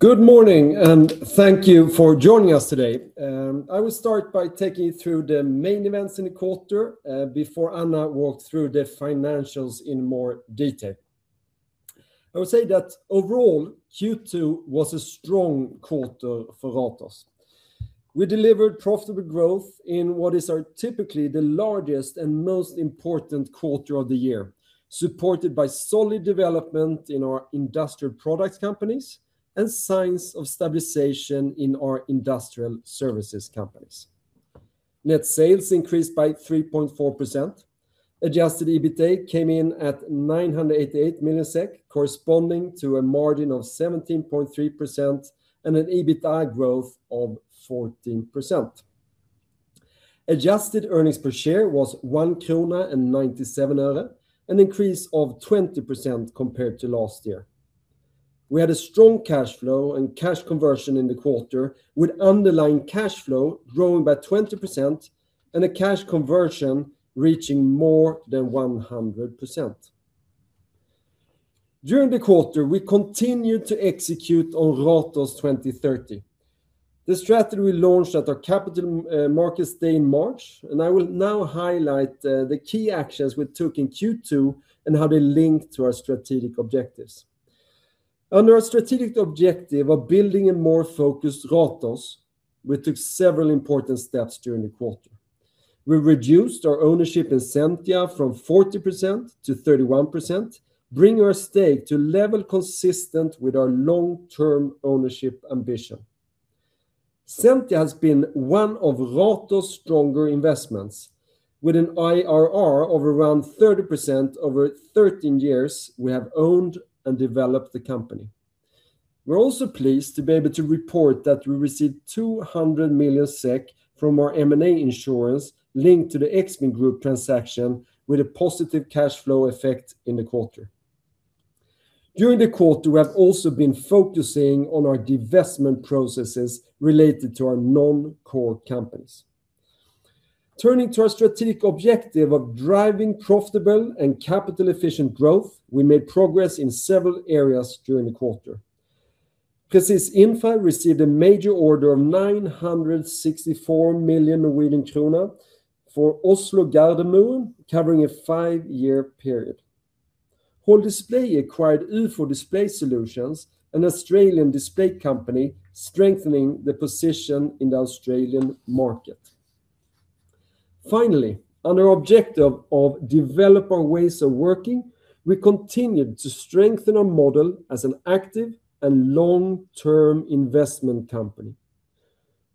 Good morning, thank you for joining us today. I will start by taking you through the main events in the quarter before Anna walks through the financials in more detail. I would say that overall, Q2 was a strong quarter for Ratos. We delivered profitable growth in what is typically the largest and most important quarter of the year, supported by solid development in our industrial products companies and signs of stabilization in our industrial services companies. Net sales increased by 3.4%. Adjusted EBITA came in at 988 million SEK, corresponding to a margin of 17.3% and an EBITA growth of 14%. Adjusted earnings per share was 1.97 krona, an increase of 20% compared to last year. We had a strong cash flow and cash conversion in the quarter, with underlying cash flow growing by 20% and a cash conversion reaching more than 100%. During the quarter, we continued to execute on Ratos 2030, the strategy we launched at our capital markets day in March. I will now highlight the key actions we took in Q2 and how they link to our strategic objectives. Under our strategic objective of building a more focused Ratos, we took several important steps during the quarter. We reduced our ownership in Sentia from 40%-31%, bringing our stake to a level consistent with our long-term ownership ambition. Sentia has been one of Ratos' stronger investments, with an IRR of around 30% over 13 years we have owned and developed the company. We are also pleased to be able to report that we received 200 million SEK from our M&A insurance linked to the Expin Group transaction with a positive cash flow effect in the quarter. During the quarter, we have also been focusing on our divestment processes related to our non-core companies. Turning to our strategic objective of driving profitable and capital-efficient growth, we made progress in several areas during the quarter. Presis Infra received a major order of 964 million Norwegian krone for Oslo Gardermoen, covering a five-year period. HL Display acquired UFO Display Solutions, an Australian display company strengthening the position in the Australian market. Under our objective of develop our ways of working, we continued to strengthen our model as an active and long-term investment company.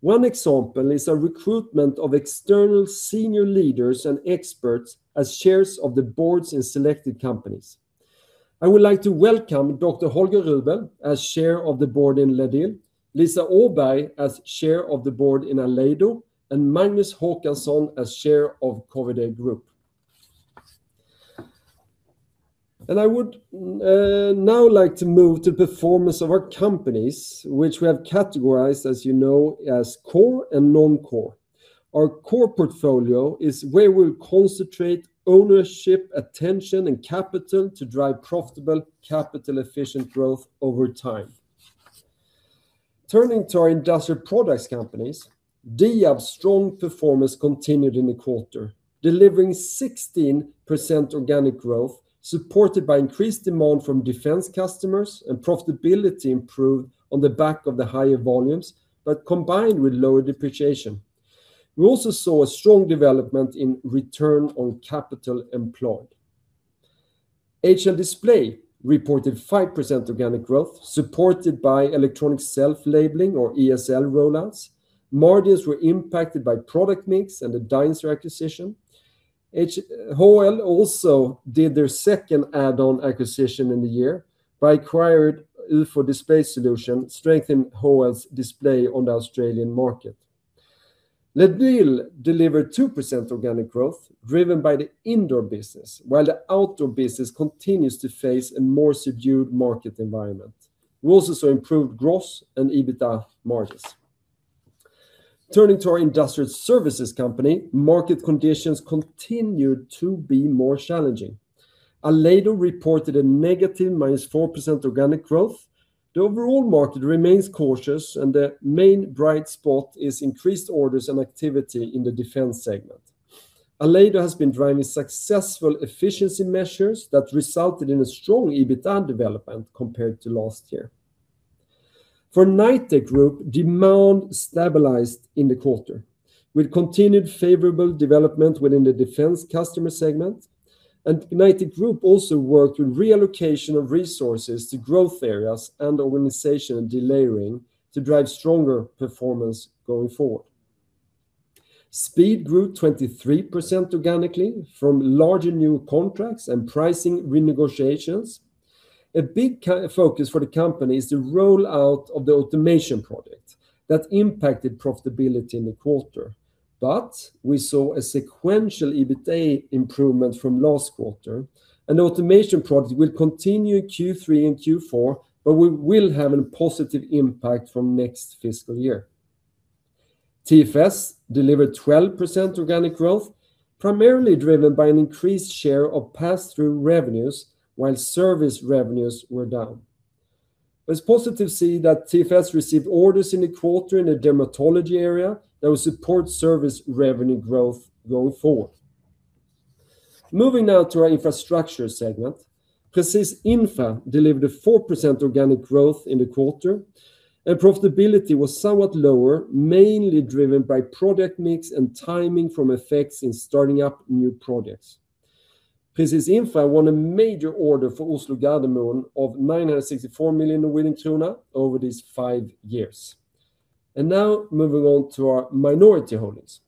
One example is our recruitment of external senior leaders and experts as chairs of the boards in selected companies. I would like to welcome Dr. Holger Rubel as Chair of the Board in LEDiL, Lisa Åberg as Chair of the Board in Aleido, Magnus Håkansson as Chair of Kvd Group. I would now like to move to performance of our companies, which we have categorized, as you know, as core and non-core. Our core portfolio is where we will concentrate ownership, attention, and capital to drive profitable, capital-efficient growth over time. Turning to our industrial products companies, Diab's strong performance continued in the quarter, delivering 16% organic growth supported by increased demand from defense customers. Profitability improved on the back of the higher volumes, combined with lower depreciation. We also saw a strong development in return on capital employed. HL Display reported 5% organic growth, supported by electronic self-labeling or ESL rollouts. Margins were impacted by product mix and the Deinzer acquisition. HL also did their second add-on acquisition in the year by acquiring UFO Display Solutions, strengthening HL's display on the Australian market. LEDiL delivered 2% organic growth driven by the indoor business, while the outdoor business continues to face a more subdued market environment. We also saw improved gross and EBITDA margins. Turning to our industrial services company, market conditions continued to be more challenging. Aleido reported -4% organic growth. The overall market remains cautious, and the main bright spot is increased orders and activity in the defense segment. Aleido has been driving successful efficiency measures that resulted in a strong EBITDA development compared to last year. For Knightec Group, demand stabilized in the quarter with continued favorable development within the defense customer segment. Knightec Group also worked with reallocation of resources to growth areas and organization delayering to drive stronger performance going forward. Speed grew 23% organically from larger new contracts and pricing renegotiations. A big focus for the company is the rollout of the automation product that impacted profitability in the quarter, but we saw a sequential EBITDA improvement from last quarter. An automation project will continue Q3 and Q4, but we will have a positive impact from next fiscal year. TFS delivered 12% organic growth, primarily driven by an increased share of pass-through revenues, while service revenues were down. It was positive to see that TFS received orders in the quarter in the dermatology area that will support service revenue growth going forward. Moving now to our infrastructure segment. Presis Infra delivered 4% organic growth in the quarter. Profitability was somewhat lower, mainly driven by product mix and timing from effects in starting up new projects. Presis Infra won a major order for Oslo Gardermoen of 964 million over these five years. Now moving on to our minority holdings.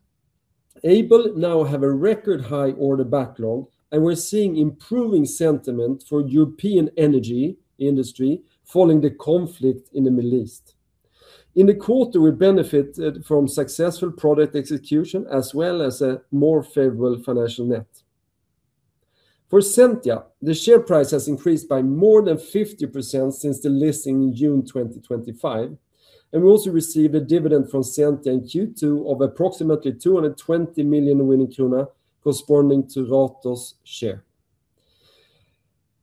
Aibel now have a record high order backlog. We're seeing improving sentiment for European energy industry following the conflict in the Middle East. In the quarter, we benefited from successful product execution as well as a more favorable financial net. For Sentia, the share price has increased by more than 50% since the listing in June 2025. We also received a dividend from Sentia in Q2 of approximately 220 million kroner corresponding to Ratos' share.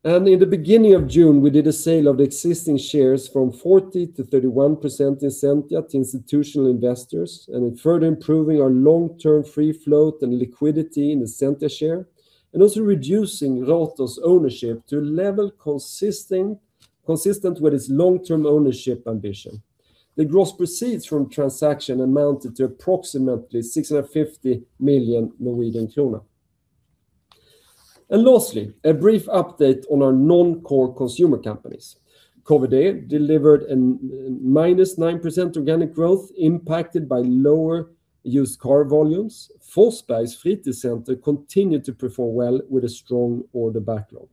In the beginning of June, we did a sale of existing shares from 40%-31% in Sentia to institutional investors. In further improving our long-term free float and liquidity in the Sentia share, also reducing Ratos' ownership to a level consistent with its long-term ownership ambition. The gross proceeds from transaction amounted to approximately 650 million Norwegian kroner. Lastly, a brief update on our non-core consumer companies. Kvd delivered -9% organic growth impacted by lower used car volumes. Forsbergs Fritidscenter continued to perform well with a strong order backlog.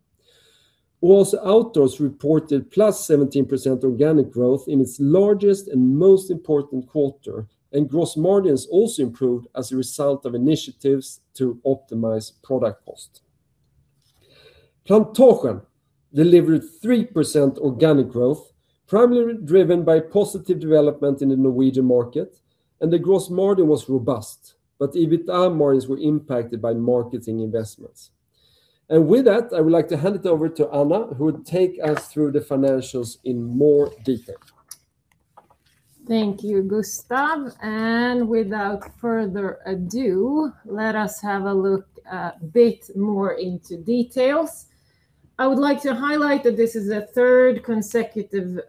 Oase Outdoors reported +17% organic growth in its largest and most important quarter. Gross margins also improved as a result of initiatives to optimize product cost. Plantasjen delivered 3% organic growth, primarily driven by positive development in the Norwegian market. The gross margin was robust, EBITDA margins were impacted by marketing investments. With that, I would like to hand it over to Anna, who will take us through the financials in more detail. Thank you, Gustaf, let us have a look a bit more into details. I would like to highlight that this is the third consecutive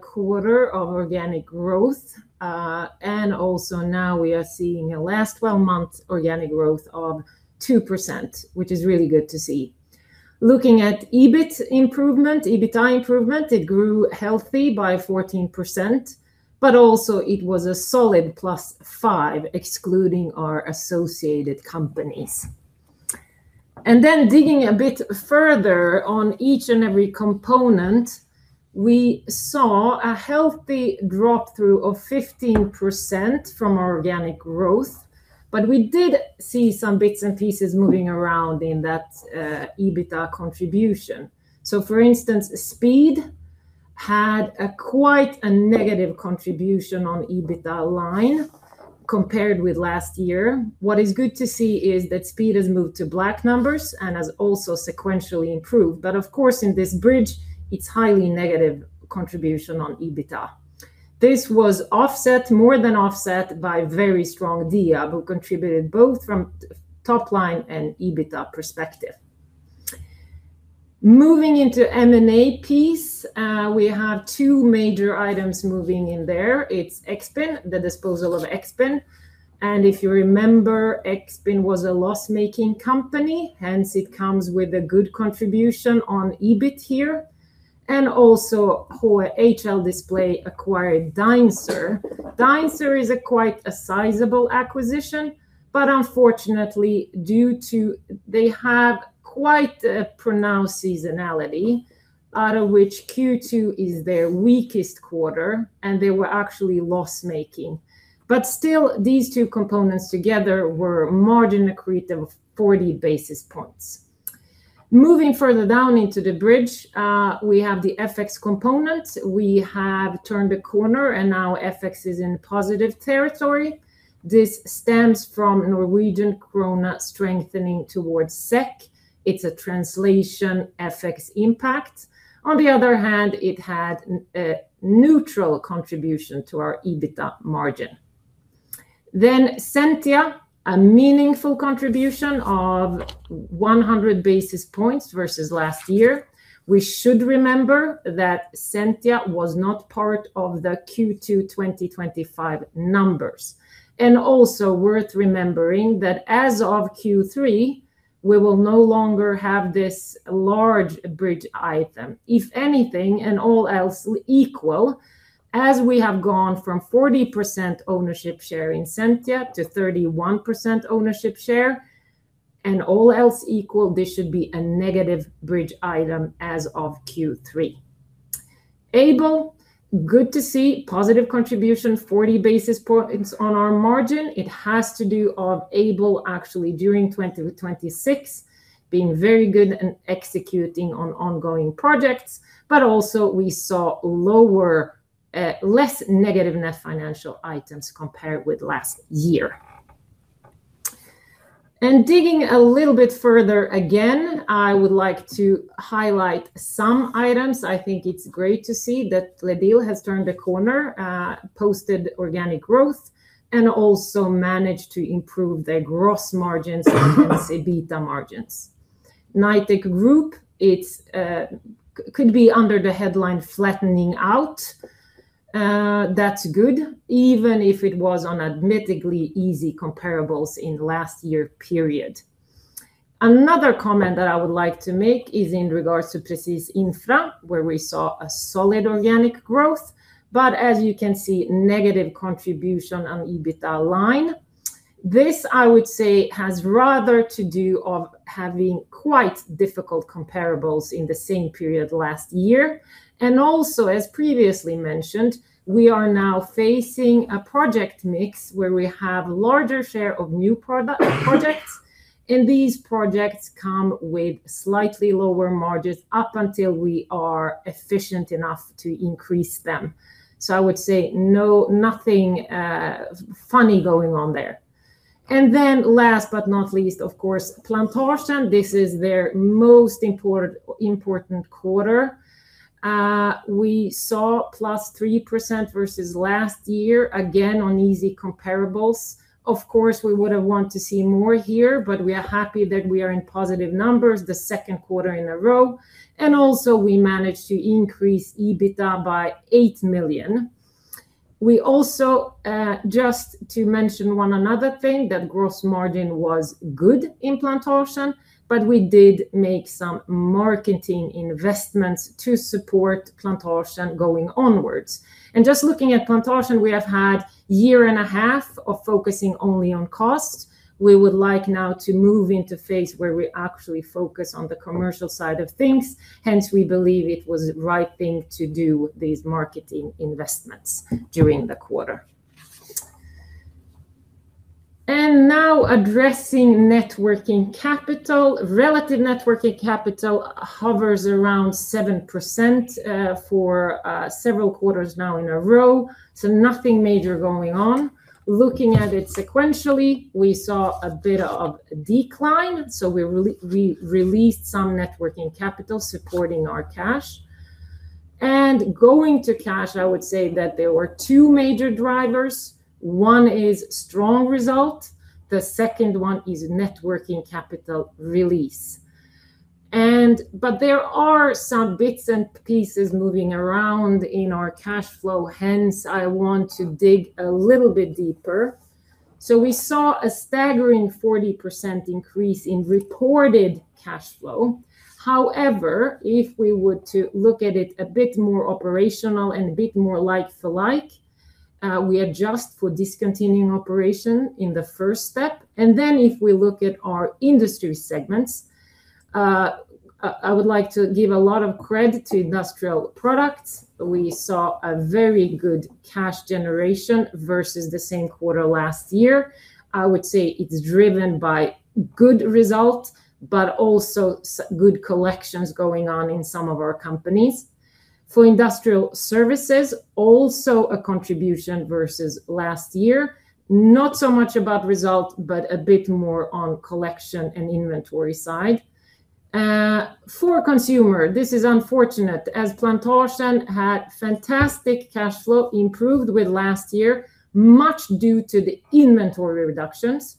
quarter of organic growth. Now we are seeing a last 12 months organic growth of 2%, which is really good to see. Looking at EBIT improvement, EBITDA improvement, it grew healthy by 14%, but it was a solid +5% excluding our associated companies. Digging a bit further on each and every component, we saw a healthy drop-through of 15% from our organic growth. We did see some bits and pieces moving around in that EBITDA contribution. For instance, Speed had quite a negative contribution on EBITDA line compared with last year. What is good to see is that Speed has moved to black numbers and has sequentially improved. Of course, in this bridge, it's highly negative contribution on EBITDA. This was more than offset by very strong Diab, who contributed both from top line and EBITDA perspective. Moving into M&A piece, we have two major items moving in there. It's the disposal of Expin. If you remember, Expin was a loss-making company, hence it comes with a good contribution on EBIT here. How HL Display acquired Deinzer. Deinzer is quite a sizable acquisition, but unfortunately, they have quite a pronounced seasonality, out of which Q2 is their weakest quarter, and they were actually loss-making. Still, these two components together were margin accretive, 40 basis points. Moving further down into the bridge, we have the FX component. We have turned a corner, FX is in positive territory. This stems from Norwegian krone strengthening towards SEK. It's a translation FX impact. On the other hand, it had a neutral contribution to our EBITDA margin. Sentia, a meaningful contribution of 100 basis points versus last year. We should remember that Sentia was not part of the Q2 2025 numbers. Worth remembering that as of Q3, we will no longer have this large bridge item. If anything and all else equal, as we have gone from 40% ownership share in Sentia to 31% ownership share, all else equal, this should be a negative bridge item as of Q3. Aibel, good to see positive contribution, 40 basis points on our margin. It has to do of Aibel actually during 2026 being very good and executing on ongoing projects. We saw less negative net financial items compared with last year. Digging a little bit further, again, I would like to highlight some items. I think it's great to see that LEDiL has turned a corner, posted organic growth, and managed to improve their gross margins and EBITDA margins. Knightec Group, it could be under the headline flattening out. That's good, even if it was on admittedly easy comparables in last year period. Another comment that I would like to make is in regards to Presis Infra, where we saw a solid organic growth, but as you can see, negative contribution on EBITDA line. This, I would say, has rather to do of having quite difficult comparables in the same period last year, as previously mentioned, we are now facing a project mix where we have larger share of new projects. These projects come with slightly lower margins up until we are efficient enough to increase them. I would say nothing funny going on there. Last but not least, of course, Plantasjen, this is their most important quarter. We saw +3% versus last year, again, on easy comparables. Of course, we would have wanted to see more here, but we are happy that we are in positive numbers the second quarter in a row. Also we managed to increase EBITDA by 8 million. We also, just to mention one another thing, that gross margin was good in Plantasjen, but we did make some marketing investments to support Plantasjen going onwards. Just looking at Plantasjen, we have had year and a half of focusing only on cost. We would like now to move into phase where we actually focus on the commercial side of things. Hence, we believe it was the right thing to do these marketing investments during the quarter. Now addressing networking capital. Relative networking capital hovers around 7% for several quarters now in a row. Nothing major going on. Looking at it sequentially, we saw a bit of a decline, so we released some networking capital supporting our cash. Going to cash, I would say that there were two major drivers. One is strong result, the second one is networking capital release. But there are some bits and pieces moving around in our cash flow. Hence, I want to dig a little bit deeper. We saw a staggering 40% increase in reported cash flow. However, if we were to look at it a bit more operational and a bit more like-for-like, we adjust for discontinuing operation in the first step, and then if we look at our industry segments, I would like to give a lot of credit to industrial products. We saw a very good cash generation versus the same quarter last year. I would say it is driven by good results, but also good collections going on in some of our companies. For industrial services, also a contribution versus last year, not so much about result, but a bit more on collection and inventory side. For consumer, this is unfortunate as Plantasjen had fantastic cash flow, improved with last year, much due to the inventory reductions.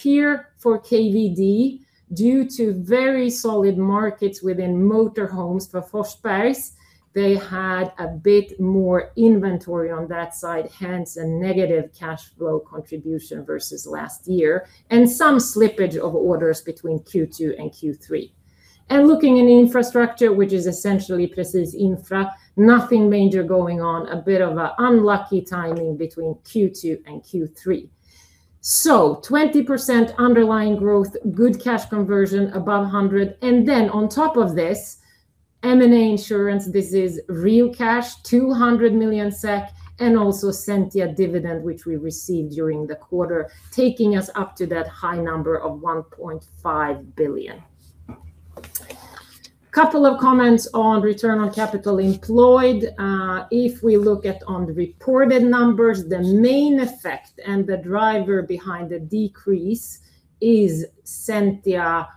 Here for Kvd, due to very solid markets within motorhomes for Forsbergs, they had a bit more inventory on that side, hence a negative cash flow contribution versus last year, and some slippage of orders between Q2 and Q3. Looking in infrastructure, which is essentially Presis Infra, nothing major going on, a bit of an unlucky timing between Q2 and Q3. 20% underlying growth, good cash conversion above 100%, On top of this, M&A insurance, this is real cash, 200 million SEK, Also Sentia dividend, which we received during the quarter, taking us up to that high number of 1.5 billion. Couple of comments on return on capital employed. If we look at on the reported numbers, the main effect and the driver behind the decrease is Sentia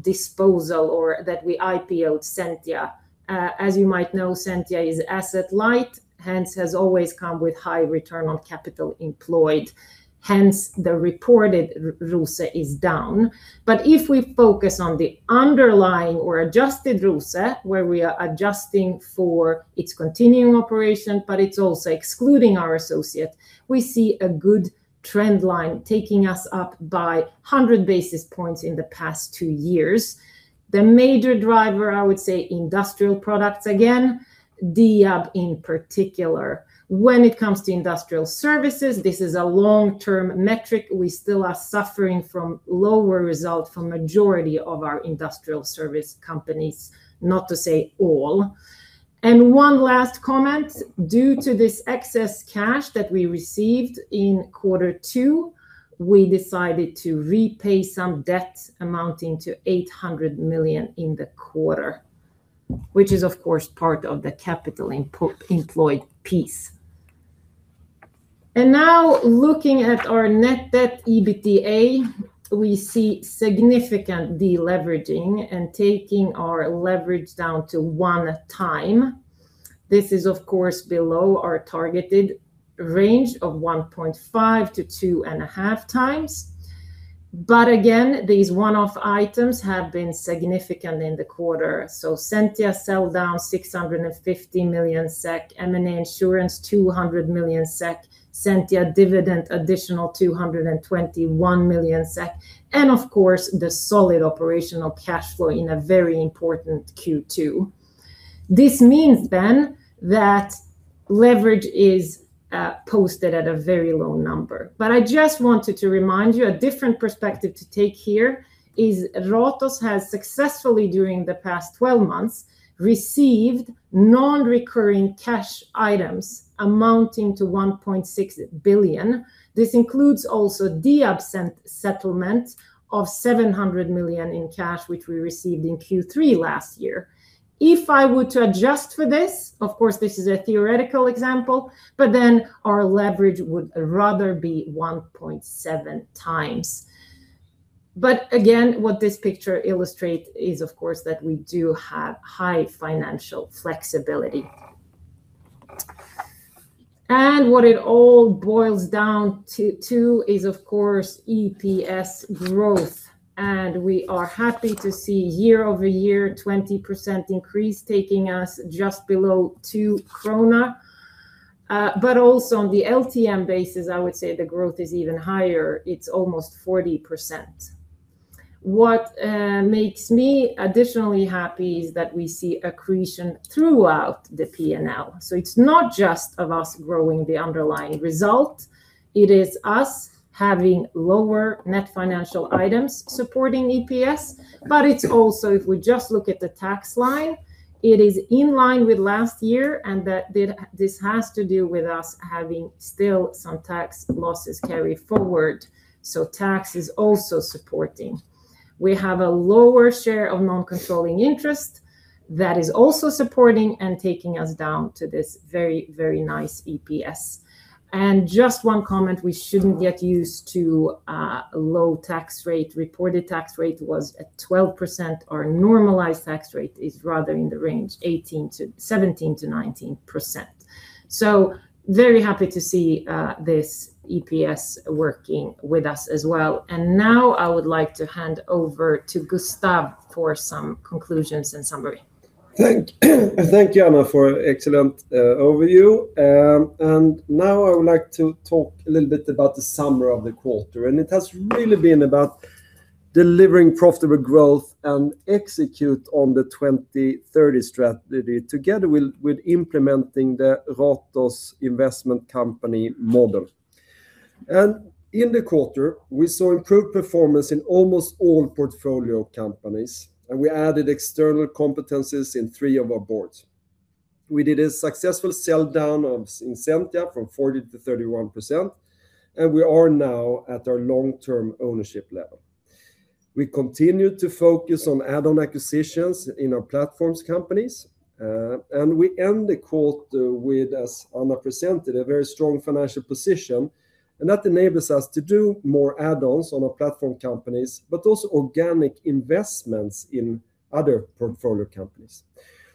disposal or that we IPO Sentia. As you might know, Sentia is asset light, hence has always come with high return on capital employed. Hence, the reported ROCE is down. If we focus on the underlying or adjusted ROCE, where we are adjusting for its continuing operation, but it is also excluding our associate, we see a good trend line taking us up by 100 basis points in the past two years. The major driver, I would say industrial products, again, Diab in particular. When it comes to industrial services, this is a long-term metric. We still are suffering from lower results for majority of our industrial service companies, not to say all. One last comment. Due to this excess cash that we received in quarter two, we decided to repay some debt amounting to 800 million in the quarter, which is of course part of the capital employed piece. Now looking at our net debt EBITDA, we see significant deleveraging and taking our leverage down to one time. This is of course below our targeted range of 1.5x-2.5x. Again, these one-off items have been significant in the quarter. Sentia sell down 650 million SEK, M&A insurance 200 million SEK, Sentia dividend additional 221 million SEK, of course the solid operational cash flow in a very important Q2. This means then that leverage is posted at a very low number. I just wanted to remind you a different perspective to take here is Ratos has successfully during the past 12 months received non-recurring cash items amounting to 1.6 billion. This includes also the Aibel settlement of 700 million in cash, which we received in Q3 last year. If I were to adjust for this, of course, this is a theoretical example, our leverage would rather be 1.7x. Again, what this picture illustrates is of course, that we do have high financial flexibility. What it all boils down to is of course EPS growth, we are happy to see year-over-year 20% increase taking us just below 2 krona. Also on the LTM basis, I would say the growth is even higher. It's almost 40%. What makes me additionally happy is that we see accretion throughout the P&L. It's not just of us growing the underlying result, it is us having lower net financial items supporting EPS. It's also, if we just look at the tax line, it is in line with last year this has to do with us having still some tax losses carried forward. Tax is also supporting. We have a lower share of non-controlling interest that is also supporting and taking us down to this very nice EPS. Just one comment we shouldn't get used to a low tax rate. Reported tax rate was at 12%, our normalized tax rate is rather in the range 17%-19%. Very happy to see this EPS working with us as well. Now I would like to hand over to Gustaf for some conclusions and summary. Thank you, Anna, for an excellent overview. Now I would like to talk a little bit about the summary of the quarter, and it has really been about delivering profitable growth and execute on the Ratos 2030 Strategy together with implementing the Ratos investment company model. In the quarter, we saw improved performance in almost all portfolio companies, and we added external competencies in three of our boards. We did a successful sell-down in Sentia from 40%-31%, and we are now at our long-term ownership level. We continue to focus on add-on acquisitions in our platforms companies. We end the quarter with, as Anna presented, a very strong financial position, and that enables us to do more add-ons on our platform companies, but also organic investments in other portfolio companies.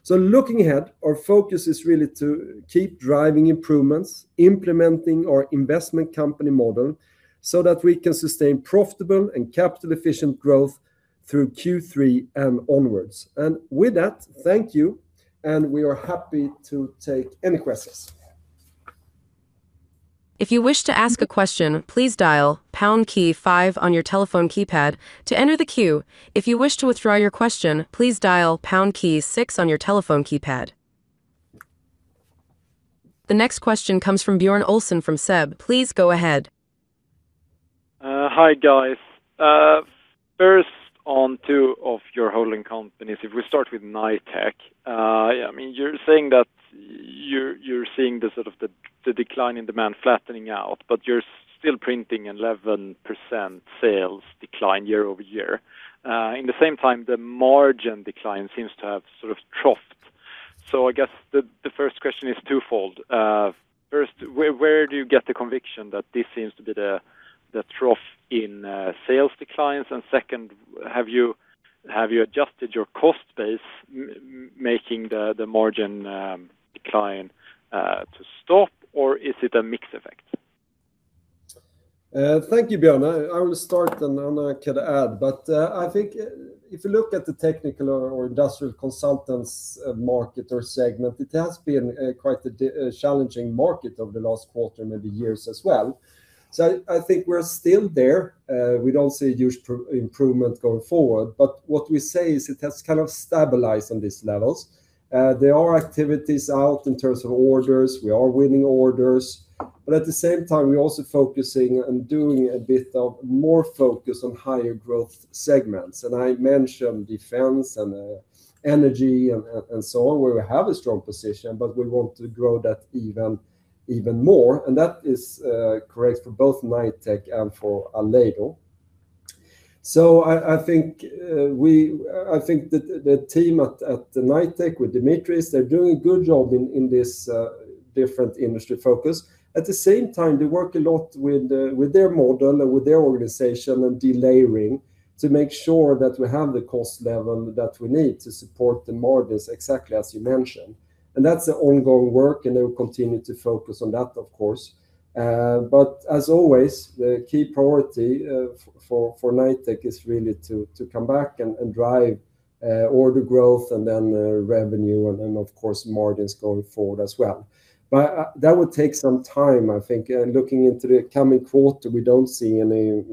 Looking ahead, our focus is really to keep driving improvements, implementing our investment company model so that we can sustain profitable and capital efficient growth through Q3 and onwards. With that, thank you, and we are happy to take any questions. If you wish to ask a question, please dial pound key five on your telephone keypad to enter the queue. If you wish to withdraw your question, please dial pound key six on your telephone keypad. The next question comes from Björn Olsson from SEB. Please go ahead. Hi, guys. First on two of your holding companies, if we start with Knightec. You are saying that you are seeing the decline in demand flattening out, but you are still printing 11% sales decline year-over-year. In the same time, the margin decline seems to have troughed. I guess the first question is twofold. First, where do you get the conviction that this seems to be the trough in sales declines? Second, have you adjusted your cost base making the margin decline to stop, or is it a mix effect? Thank you, Björn. I will start, and Anna can add. I think if you look at the technical or industrial consultants market or segment, it has been quite the challenging market over the last quarter, maybe years as well. I think we're still there. We don't see huge improvement going forward, but what we say is it has kind of stabilized on these levels. There are activities out in terms of orders. We are winning orders, but at the same time, we're also focusing and doing a bit more focus on higher growth segments. I mentioned defense and energy and so on, where we have a strong position, but we want to grow that even more, and that is correct for both Knightec and for Aleido. I think that the team at the Knightec with Dimitris, they're doing a good job in this different industry focus. At the same time, they work a lot with their model and with their organization and delayering to make sure that we have the cost level that we need to support the margins, exactly as you mentioned. That's the ongoing work, and they will continue to focus on that, of course. As always, the key priority for Knightec is really to come back and drive order growth and then revenue and of course margins going forward as well. That would take some time, I think. Looking into the coming quarter, we don't see any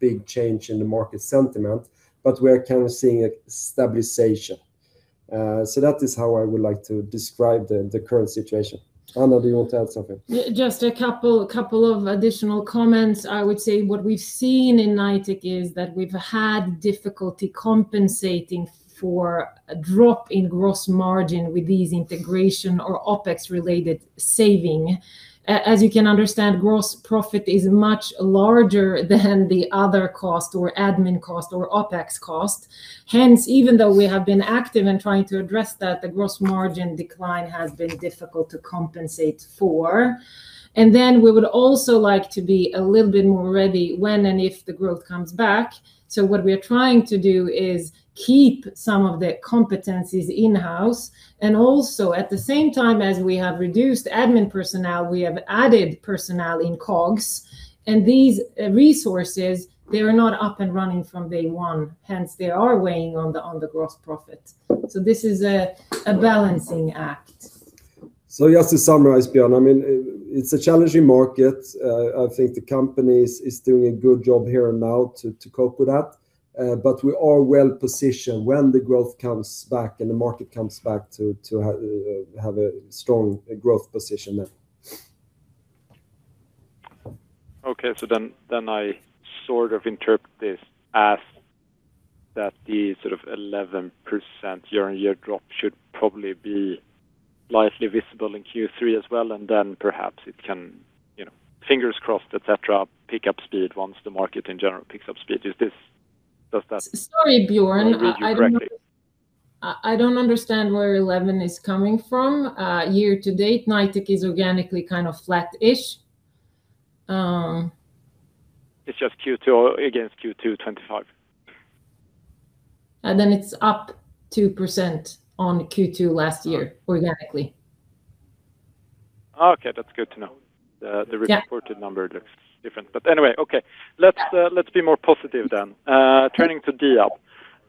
big change in the market sentiment, but we are kind of seeing a stabilization. That is how I would like to describe the current situation. Anna, do you want to add something? Just a couple of additional comments. I would say what we've seen in Knightec is that we've had difficulty compensating for a drop in gross margin with these integration or OpEx related savings. As you can understand, gross profit is much larger than the other cost or admin cost or OpEx cost. Hence, even though we have been active in trying to address that, the gross margin decline has been difficult to compensate for. We would also like to be a little bit more ready when and if the growth comes back. What we are trying to do is keep some of the competencies in-house, and also at the same time as we have reduced admin personnel, we have added personnel in COGS, and these resources, they are not up and running from day one. Hence, they are weighing on the gross profit. This is a balancing act. Just to summarize, Björn, it's a challenging market. I think the company is doing a good job here and now to cope with that. We are well-positioned when the growth comes back and the market comes back to have a strong growth position then. I sort of interpret this as that the sort of 11% year-on-year drop should probably be lightly visible in Q3 as well, and then perhaps it can, fingers crossed, et cetera, pick up speed once the market in general picks up speed. Does that?- Sorry, Björn. read you correctly? I don't understand where 11% is coming from. Year to date, Knightec is organically kind of flat-ish. It's just Q2 against Q2 2025. Then it's up 2% on Q2 last year organically. Okay, that's good to know. Yeah. The reported number looks different, anyway, okay. Let's be more positive. Turning to Diab,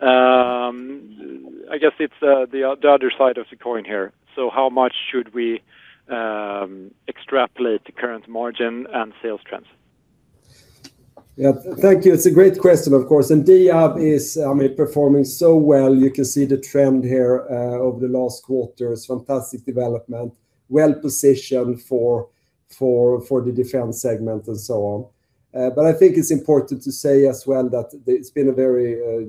I guess it's the other side of the coin here. How much should we extrapolate the current margin and sales trends? Thank you. It's a great question, of course, Diab is performing so well. You can see the trend here of the last quarters, fantastic development, well-positioned for the defense segment and so on. I think it's important to say as well that it's been a very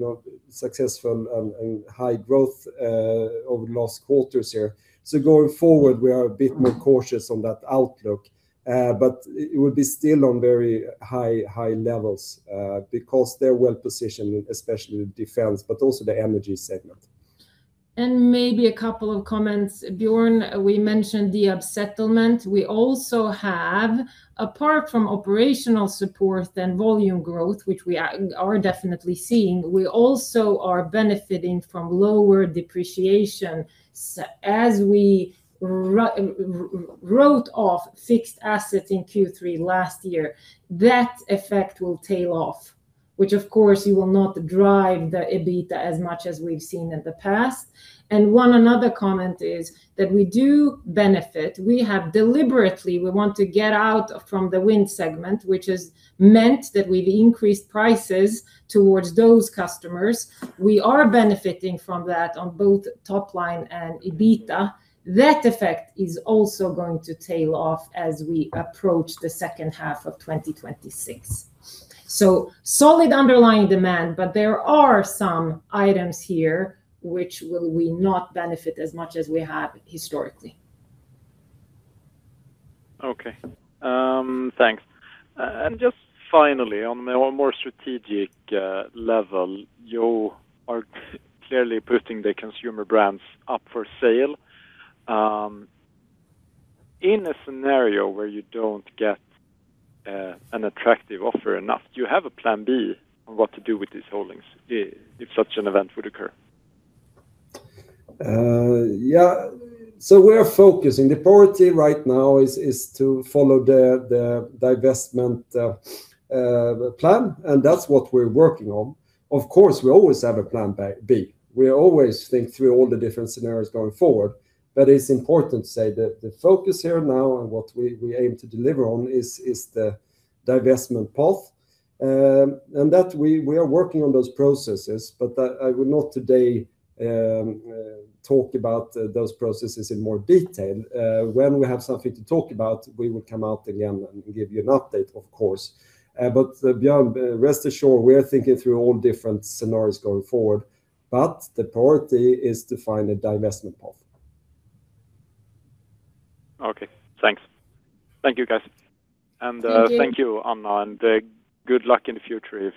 successful and high growth over the last quarters here. Going forward, we are a bit more cautious on that outlook. It would be still on very high levels, because they're well-positioned, especially the defense, but also the energy segment. Maybe a couple of comments, Björn. We mentioned Diab settlement. We also have, apart from operational support and volume growth, which we are definitely seeing, we also are benefiting from lower depreciation. As we wrote off fixed assets in Q3 last year, that effect will tail off, which of course you will not drive the EBITA as much as we've seen in the past. One another comment is that we do benefit. We have deliberately, we want to get out from the wind segment, which has meant that we've increased prices towards those customers. We are benefiting from that on both top line and EBITA. That effect is also going to tail off as we approach the second half of 2026. Solid underlying demand, but there are some items here which will we not benefit as much as we have historically. Okay. Thanks. Just finally, on a more strategic level, you are clearly putting the consumer brands up for sale. In a scenario where you don't get an attractive offer enough, do you have a plan B on what to do with these holdings if such an event would occur? Yeah. We are focusing, the priority right now is to follow the divestment plan, that's what we're working on. Of course, we always have a plan B. We always think through all the different scenarios going forward, it's important to say that the focus here now and what we aim to deliver on is the divestment path. That we are working on those processes, I would not today talk about those processes in more detail. When we have something to talk about, we will come out again and give you an update, of course. Björn, rest assured, we are thinking through all different scenarios going forward, but the priority is to find a divestment path. Okay. Thanks. Thank you, guys. Thank you. Thank you, Anna, and good luck in the future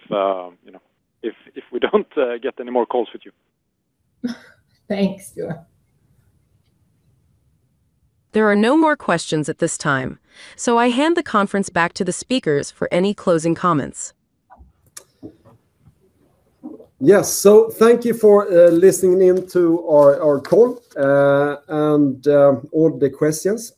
if we don't get any more calls with you. Thanks, Björn. There are no more questions at this time, so I hand the conference back to the speakers for any closing comments. Yes, thank you for listening in to our call and all the questions.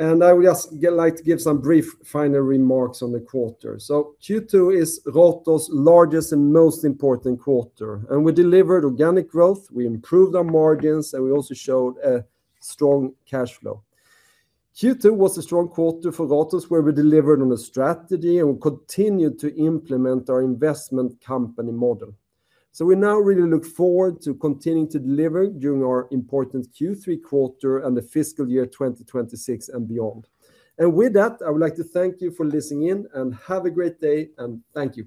I would just like to give some brief final remarks on the quarter. Q2 is Ratos' largest and most important quarter, and we delivered organic growth, we improved our margins, and we also showed a strong cash flow. Q2 was a strong quarter for Ratos, where we delivered on a strategy and we continued to implement our investment company model. We now really look forward to continuing to deliver during our important Q3 quarter and the fiscal year 2026 and beyond. With that, I would like to thank you for listening in, and have a great day, and thank you.